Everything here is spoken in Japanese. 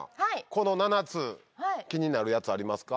この７つ気になるやつありますか？